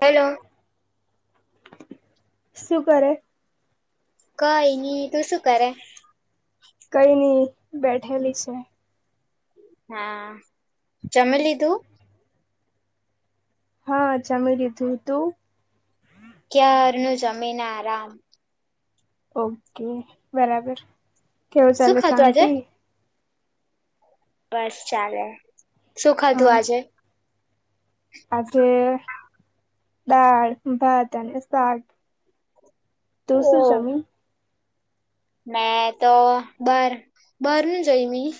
Hello. શું કરે? કઈ ની તું શું કરે? કઈ ની બેઠેલી છે. હા, જમી લીધુ? હા જમી લીધુ તું? ક્યારનું જમીને આરામ. ઓકે બરાબર, કેવું શું ચાલે ખાધું આજે શાંતિ? બસ ચાલે, શું હા ખાધું આજે? આજે દાળ, ભાત અને શાક. તું ઓ શું જમી? મેં તો બાર, બાર ન જોઈમી.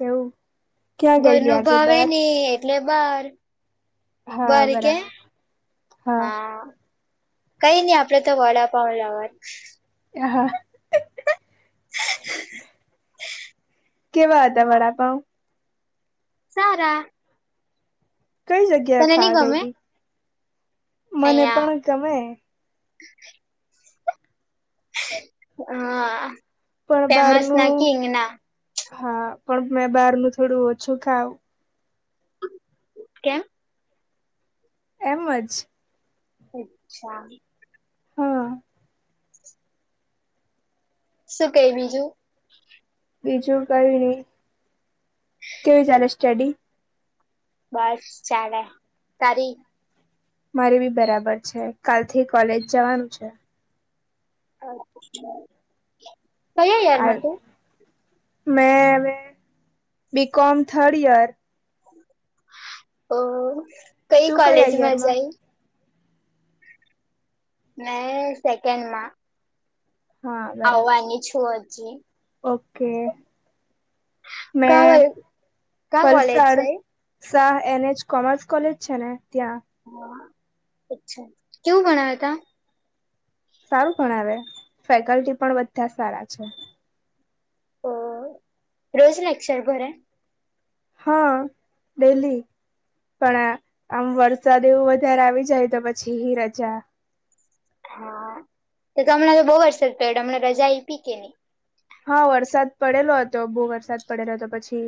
એવું? ક્યાં ગયેલી ઘરનું આજે ભાવે બાર ની એટલે બાર. હા બરી કે બરાબર હા. કઈ ની આપડે તો વડાપાવ અજ લાવાનું. એ હા. કેવા હતા હા, વડાપાવ? સારા. કઈ જગ્યાએ તને ની ખાવા ગમે ગયલી? મને પણ ગમે. હ. હા પણ ફેમસ ના બારનું કિંગ ના. હા પણ મેં બાર નું થોડું ઓછું ખાઉં. કેમ? એમ અજ. અચ્છા. હા શું કઈ બીજું? બીજું કયું નહી કેવી ચાલે સ્ટડી. બસ ચાલે. તારી? મારી બી બરાબર છે કાલથી કોલેજ જવાનું છે. અચ્છા, કયા યર મા તું? મેં હવે બી કોમ થર્ડ યર. ઓ કઈ તું કોલેજ કયા માં યરમાં જાય? મે સેકન્ડ માં. હા બરાબર આવવાની છું હજી. ઓકે, કા મેં કા કોલેજ પલસાડ. જાય શાહ એનચ કોમર્સ કોલેજ છે ને, ત્યાં. હા અચ્છા કેવું ભણાવે તા? સારું પણ આવે ફેકલ્ટી પણ બધા સારા છે. ઓ રોજ લેક્ચર બરે? હા, ડેલી પણ આમ વરસાદ એવું વધારે આવી જાય તો પછી રજા હા તો તો હમણાં તો બહુ વરસાદ પઈડો તમને રજા આઈપી કે ની. હા વરસાદ પડેલો હતો બહુ વરસાદ પડેલો હતો પછી.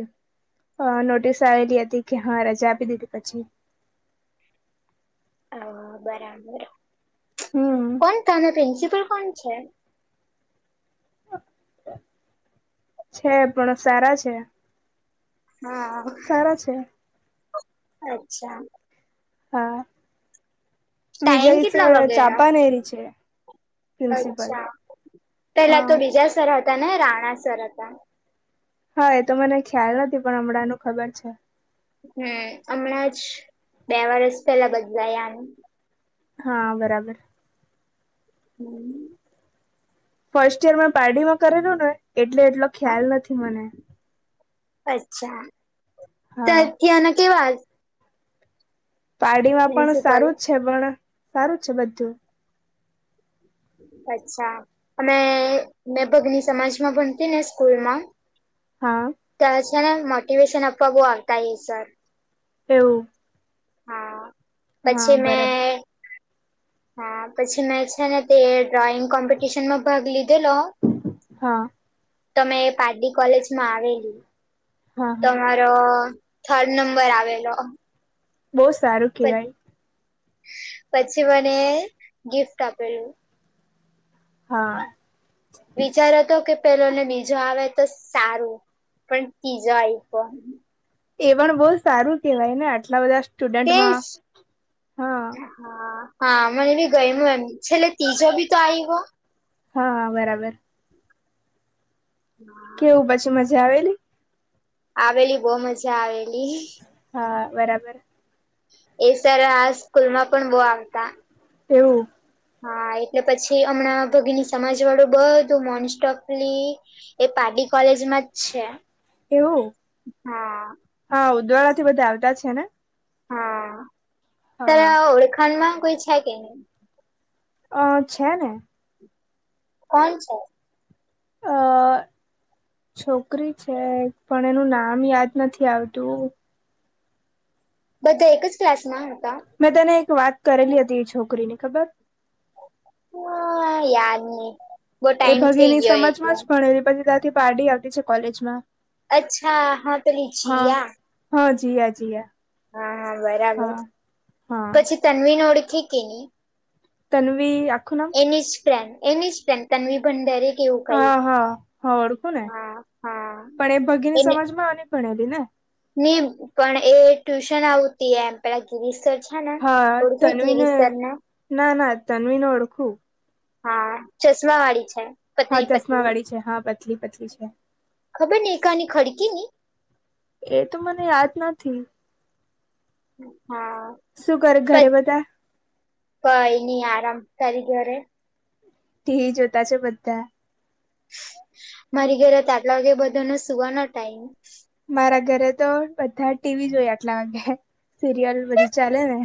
અ નોટિસ આવેલી હતી કે હા રજા આપી દીધી પછી. હ બરાબર હમ કોણ તાનો પ્રિન્સિપલ કોણ છે? છે પણ સારા છે. હા. સારા છે. અચ્છા. હા વિજય ટાઈમ કેટલા સર વાગેનો ચાપાનેરી છે. પ્રિન્સિપલ અચ્છા પેલા તો હા બીજા સર હતા ને રાણા સર હતા. હા એ તો મને ખ્યાલ નથી પણ હમણાંનું ખબર છે. હમ્મ હમણાં જ બે વરસ પેલા બદલાયાનું. હા, બરાબર. હમ્મ. ફર્સ્ટ ઈયર મે પારડીમાં કરેલું ને એટલે એટલો ખ્યાલ હા નથી મને. અચ્છા ત હા ત્યાંના કેવા પારડીમાં પણ પ્રિન્સિપલ સારું જ છે પણ સારું છે બધું. અચ્છા અમે મેં ભગની સમાજમાં ભણતી ને સ્કૂલ માં હા તો હ છે ને મોટિવેશન આપવા બહુ આવતા એ સર. એવું? હા હા પછી બરાબર મેં હા પછી મેં છે ને તે ડ્રોઈંગ કોમ્પિટિશન માં ભાગ લીધેલો હા તમે પાલડી કોલેજમાં આવેલી. હા હા તમારો થર્ડ નંબર આવેલો. બહુ સારું. કેવાય પછી મને ગિફ્ટ આપેલું. હા. વિચાર હતો કે પેલો ને બીજો આવે તો સારું, પણ તીજો આપ્યો. એ પણ બહુ સારું કેહેવાય ને આટલા બધા સ્ટુડન્ટમાં તેસ. હા હા હા મને બી ગયમું એમ છેલે તીજ બી તો આઈવ. હા બરાબર. હા. કેવું પછી મજા આવેલી? આવેલી બહ મજા આવેલી. હા બરાબર. એ સર આ સ્કૂલ માં પણ બો આવતા. એવું? હા એટલે પછી હમણાં ભગીની સમાજ વાળું બધું મોનસ્ટપલી એ પારડી કોલેજમાં જ છે. એવું, હા હા ઉદવાળ થી બધા આવતા છે ને? હા ત્યારે ઓળખાડ માં કોઈ છે કે નહી? અ છે ને. કોન છે? અ [inaudible] છોકરી છે પણ એનું નામ યાદ નથી આવતું. બધા એક જ ક્લાસમાં હતા? મેં તને એક વાત કરેલી હતી એ છોકરી ની ખબર? હા યાદ ની. એ ભગીની સમજમાં જ ભણેલી પછી ત્યાંથી પાર્ટી આવતી છે કોલેજમાં. અચ્છા હા તો લીચી હા આ. હા જીયા જીયા. ા બરાબર, હા હા પછી તનવીને ઓળખે કે નહી? તનવી આખો નામ? એની જ ફેનડ એની જ તનવી ભડરે હા હા હા ઓળખું ને હા હા પણ એ ભગીની એને સમાજ માં આની ભણેલી ને? ની પણ એ ટ્યુશન આવુતી એમ પેલા ગિરીશર છા હા ઓળખ તન્વીને ગિરીસરને? ના ના તન્વીને ઓળખું હા ચશમા વાળી છે. હા પતલી ચશ્મા પતલી વાળી છે હા પતલી પતલી છે. ખબર ને એકની ખડકી ની? એ તો મને યાદ નથી. હા. શું કર પ ઘરે બધા? કઈ ની આરામ તારી ઘરે? ટીવી જોતા છે, બધા મારી ઘરે તો આટલા વાગે બધાનો સુવાનો ટાઈમ મારા ઘરે તો બધા ટીવી જોઈ આટલા વાગે સિરિયલ બધી ચાલે ને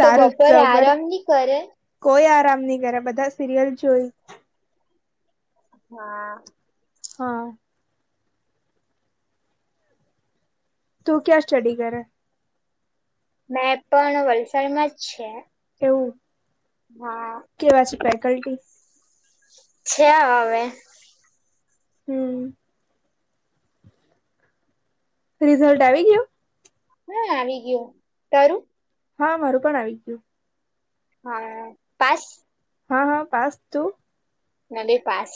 તો બપોરે ઉત્સવ પર આરામની કરે કોઈ આરામની કરે બધા સિરિયલ જોઈ હા. હ. તું ક્યા સ્ટડી કરે? મેં પણ વલસાડમાં જ છે. એવું હા. કેવા છે, ફેકલ્ટી છે, હવે હમ. રિઝલ્ટ આવી ગયુ? ના આવી ગયો તારું હા મારું પણ આવી ગયું હા પાસ હ હ પાસ તું? મે બી પાસ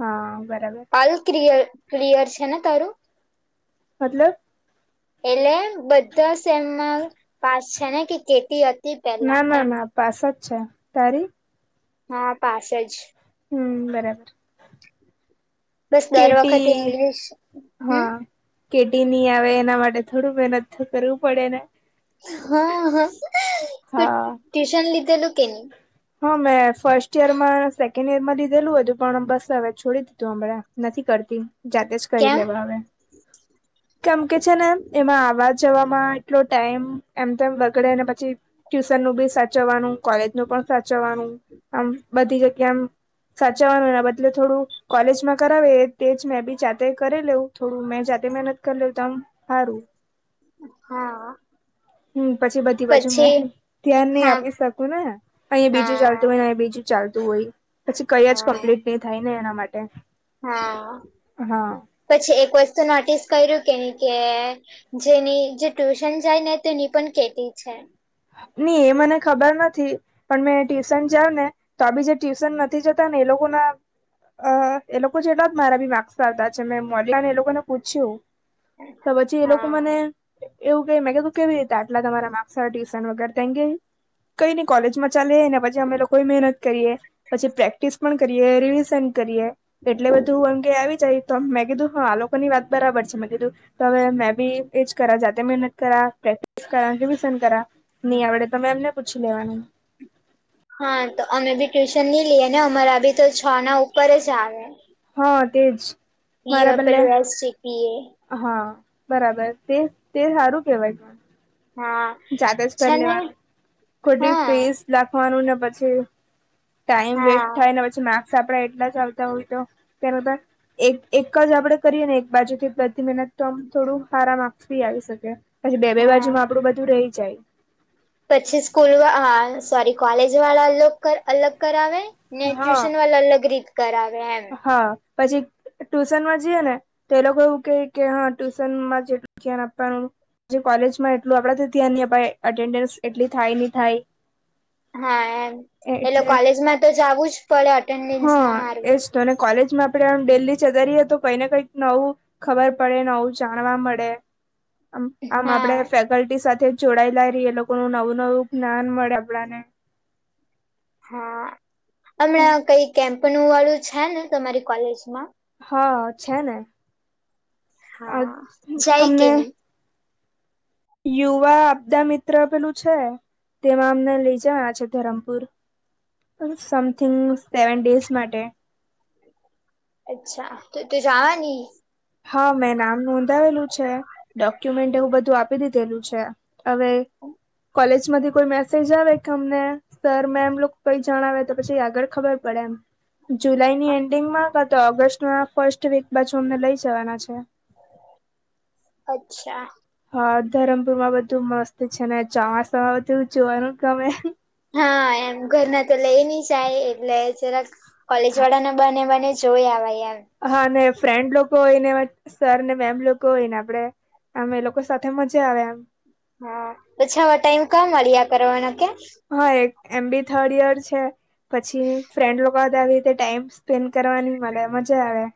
હા બરાબર. હાલ કિરીય ક્લિયર છે, ને તારું? મતલબ એટલે બધા સેમમા પાસ છે, ને કે કેટી હ ના ના ના પાસ જ છે, તારી? હા પાસ જ હમ બરાબર. બસ દર કેટી વખતે ઇંગ્લિશ હમ હા કેટી ની આવે એના માટે થોડું મહેનત કરવું પડે ને હા હા તો હા. ટ્યુશન લીધેલું કે ની? હા મેં ફર્સ્ટ યરમાં સેકન્ડ ઈયર માં લીધેલું હતું પણ બસ હવે છોડી દીધું હમણાં નથી કરતી જાતે જ કરી કેમ લેવા હવે કેમ કે છે, ને એમાં આવા જવામાં એટલો ટાઈમ એમ તેમ બગડેને પછી ટ્યુશનનું બી સાચવવાનું કોલેજનું પણ સાચવવાનું આમ બધી જગ્યા એમ સાચવાના બદલે થોડું કોલેજમાં કરાવે તે જ મેં બી જાતે કરી લઉ થોડું મેં જાતે મેનત કર લો તમ હારું. હા. હમ્મ. પછી બધી બાજુ મે, પછી ધ્યાન નહીં હા આપી શકું ને, અહી બીજું હા ચાલતું હોય ને અહિં બીજું ચાલતું હોય, પછી કઈ જ હા કમ્પ્લીટ નહીં થાય ને એના માટે. હા હ. પછી એક વસ્તુ નોટિસ કર્યું કેની કે જેની જે ટ્યુશન જાય ને તેની પણ કેતી છે. ની એ મને ખબર નથી પણ મેં ટ્યુશન જાવને તો બી જે ટ્યુશન નથી જતા ને એ લોકો ના અ એ લોકો જેટલા મારા બી માર્ક્સ આવતા છે, મેં મલયાને એ લોકોને પૂછ્યું તો પછી એ લોકો મને, હા એવું કેય મે કીધું કેવી રીતે આટલા તમારા માર્કસ આવે, ટયુશ ટન વગર [unintelligible] કંઈ નઈ કોલેજમાં ચાલે એ ને, પછી અમે લોકો મહેનત કરીએ. પછી પ્રેક્ટિસ પણ કરીએ, રિવિઝન કરીએ, એટલે બધું એમ કે આવી જાય. તો મેં કીધું હા આ લોકોની વાત બરાબર છે, મેં કીધું તો હવે મેં ભી એજ કરા, જાતે મહેનત કરા, પ્રેક્ટિસ કરા, રિવીઝન કરા. નઈ આવડે તો મેમને પૂછી લેવાનું. હા, તો અમે બી ટ્યુશન ની લઈએ ને, અમારા બી તો છ ના ઉપર જ આવે. હા તેજ. મારા બદલે [unintelligible] હા, બરાબર. તે-તે સારું કેવાય. હા. જાતે જ કર છે ને લેવાનું, ખોટી હા ફીઝ લખવાનું ને પછી ટાઈમ વેસ્ટ હા થાય ને પછ છી માર્ક્સ આપડે એટલા જ આવતા હોય તો [unintelligible] એક-એક જ આપડે કરીએ ને એક બાજુ થી બધી મહેનત તો આમ થોડું આરામ આપવી આવી શકે, પછી બે-બે હા બાજુમાં આપડું બધું રહી જાય. પછી સ્કૂલ વા, અહ સોરી કોલેજ વાળા [unintelligible] અલગ કરાવે. ને હા ટ્યુશન વાળા અલગ રીત કરાવે એમ. હા, પછી ટ્યુશન માં જઈએ ને તો એ લોકો એવું કેય કે હા ટ્યુશનમાં જેટલું ધ્યાન આપવાનું. જે કોલેજમાં એટલું આપડાથી ધ્યાન નહી અપાય, એટેન્ડન્સ એટલી થાય, નહીં થાય. હા એમ. એટલે કોલેજમાં તો જાવું જ પડે અટ હા એજ તો. અને કોલેજમાં આપડે આમ ડેલી જતા રહીએ તો કોઈ ને કંઈક નવું ખબર પડે, નવું જાણવા મળે, આમ-આમ આપડે હા [unintelligible] કલ્ટી સાથે જોડાયેલા રહી, એ લોકો નું નવું-નવું જ્ઞાન મળે આપડાને. હા. હમણાં કંઈ કેમ્પનું ઓલું છે ને તમારી કોલેજમાં? હા છે ને. અહ હા જાય કે અમને નહી યુવા આપદા મિત્ર પેલું છે, તેમાં અમને લઇ જવાના છે ધરમપુર. સમથિંગ સેવન ડેઝ માટે. અચ્છા, તો તું જાવા ની? હા, મેં નામ નોંધાવેલું છે, ડોક્યુમેન્ટ એવું બધું આપી દીધેલું છે. હવે કોલેજમાંથી કોઈ મેસેજ આવે કે અમને સર મેમ લોક કંઈક જણાવે તો પછી આગળ ખબર પડે એમ. જુલાઈ ની એન્ડિંગમાં, કા તો ઓગસ્ટ ના ફર્સ્ટ વીક બાજુ અમને લઈ જવાના છે. અચ્છા. હા, ધરમપુર માં બધું મસ્ત છે, ને ચોમાસામાં બધું જોવાનું ગમે. હા એમ, ઘર ના તો લઈ નહીં જાય, એટલે જરાક કોલેજ વાળા ના બહાને-બહાને જ જોઈ આવાય એમ. હા હ, અને ફ્રેન્ડ લોકો હોય ને એવા, સર ને મેમ લોકો હોય ને આપણેે અમે લોકો સાથે મજા આવે એમ. હા. પછી આવા ટાઈમ ક્યા મળ્યા કરવાના કેમ. હા, એક એમ બી થર્ડ યર છે, પછી ફ્રેન્ડ લોક બધા આવી રીતે ટાઈમ સ્પેન્ડ કરવાની મને મજા આવે.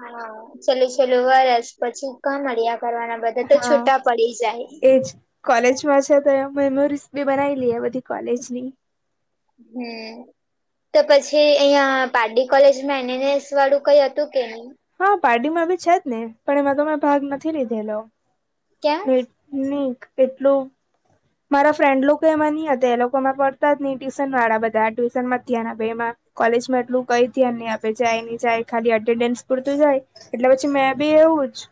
હા, [unintelligible] પછી કહા મળ્યા કરવાના બધ હા, એજ. કોલેજ માં છે તો એમ મેમોરીઝ બી બનાઈ લીએ બધી કોલેજ ની. હમ. તો પછી અહિયાં પડી કોલેજમાં એનએનસ વાળું કઈ હતું કે નહી? હા પાર્ટી માં બી છે જ ને પણ એમાં તો મેં ભાગ નથી લીધેલો. ક્યાં નીક એટલું મારા ફ્રેન્ડ લોકો એમાં નહ હતા એ લોકોમાં પડતા જ નહ ટ્યુશન વાળા બધા ટ્યુશન માંથીયા બે માં કોલેજમાં એટલું કઈ ધ્યાન નહી આપે જાય જ ખાલી એટેન્ડન્સ પૂરતું જાય. એટલે પછી મેં બી એવું જ.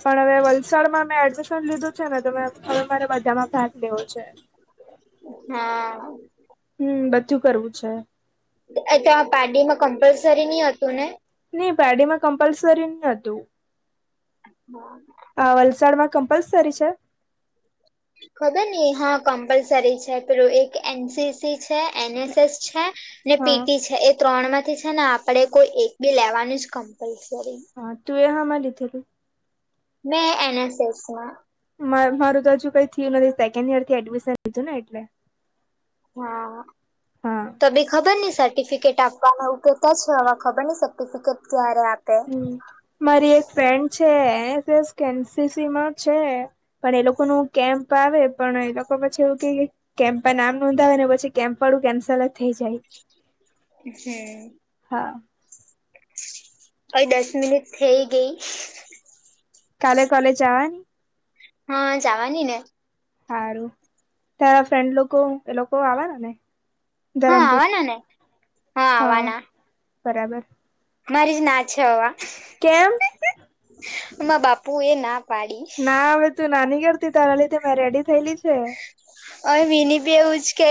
પણ હવે વલસાડમાં મેં એડમિશન લીધું છે ને તો મેં હવે મારે બધામાં ભાગ લેવો છે. હા. હમ બધું કરવું છે. એ ત પારડી માં કમ્પલસરી નહ હતું ને? નહી પેડીમાં કમ્પલસરી નહ હતું. હમ. આ વલસાડમાં કમ્પલસરી છે? ખબર નઈ હા કમ્પલસરી છે પેલું એક એન સી ી છે એન એસ ને? એસ છે, અનેને હા પીટી છે, ત્રણ થી છે ને આપે કોઈ એક બી લેવાનું જ કમ્પલસરી. હા તુ એ હામા લીધેલું? મેં એન એસ એસમાં. મારું તો હજુ કઈ થયું નથી સેકન્ડ યર થી એડમિશન લીધું ને એટલે. હા, હા તો બી ખબર નહી સા સર્ટિફિકેટ આપવા એું કહેતા છે હવે ખબર ન સર્ટિફિકેટ ક્યારે આપે. હમ મારી એક ફ્રેન્ડ છે કેન સી સીમાં છે. પણ એ લોકો ન કેમ્પ આવે પણ એ લોકો પછી એવું કે કેમ્પમાં નામ નોંધાવે ને પછી કેમ્પ વાળું કેન્સલ જ થઈ જાય. હમ. હા. અ દસ મિનિટ થઈ ગઈ. કાલે કલે જવાની? હા જવાની ને. સારું, તાર ફ્રેન્ડ લોકો એ લોકો આવેવા ને? હા ધરમપુર, આવવાના ને હા બરાબર. મારી જ ના છે હ. કેમ? મા બાપુ એ ના પાડી ના હવે તું ના ની કરતી તારા લીધે તો મેં રેડી થયેલી છે. અહ મીની બી એવુંજ કે